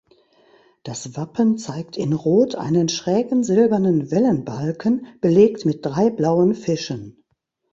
Das Wappen zeigt in Rot einen schrägen silbernen Wellenbalken, belegt mit drei blauen Fischen.